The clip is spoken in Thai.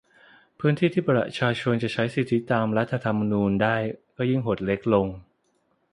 พื้นที่ที่ประชาชนจะใช้สิทธิตามรัฐธรรมนูญได้ก็ยิ่งหดเล็กลง